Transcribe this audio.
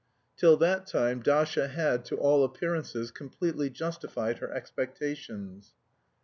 Till that time Dasha had, to all appearances, completely justified her expectations.